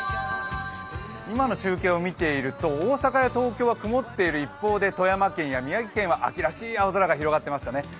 今の中継を見ていると大阪や東京は曇っている一方で富山県や宮城県は秋らしい空が広がっていましたね。